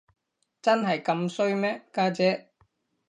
真係咁衰咩，家姐？